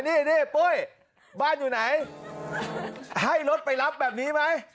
นี่ปุ้ยบ้านอยู่ไหนให้รถไปรับแบบนี้ไหม